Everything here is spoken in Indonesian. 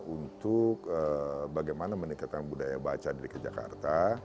untuk bagaimana meningkatkan budaya bacaan dki jakarta